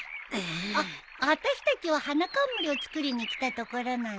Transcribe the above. ああたしたちは花冠を作りに来たところなんだ。